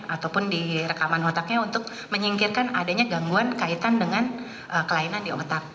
ataupun di rekaman otaknya untuk menyingkirkan adanya gangguan kaitan dengan kelainan di otak